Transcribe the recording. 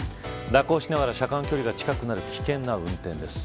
蛇行しながら車間距離が近くなる危険な運転です。